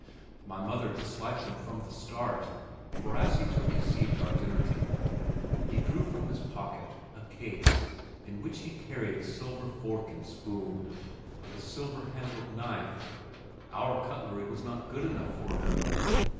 My mother disliked him from the start for as he took his seat at our dinner table, he drew from his pocket a case in which he carried a silver fork and spoon and a silver handled knife. Our cutlery was not good enough for him!